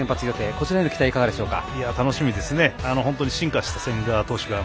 こちらへの期待いかがでしょうか？